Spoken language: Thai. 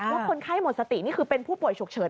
แล้วคนไข้หมดสตินี่คือเป็นผู้ป่วยฉุกเฉิน